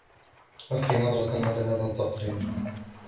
ألقي نظرةً على هذا التقرير.